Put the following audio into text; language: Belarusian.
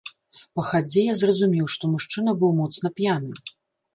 Па хадзе я зразумеў, што мужчына быў моцна п'яны.